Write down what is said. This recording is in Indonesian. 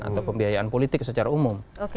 atau pembiayaan politik secara umum